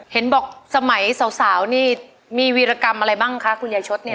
เห็นบอกสมัยสาวนี่มีวีรกรรมอะไรบ้างคะคุณยายชดเนี่ย